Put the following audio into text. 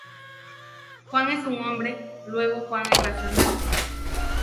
Juan es un hombre, luego Juan es racional".